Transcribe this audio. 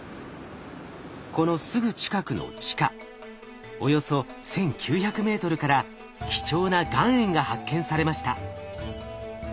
このすぐ近くの地下およそ１，９００ｍから貴重な岩塩が発見されました。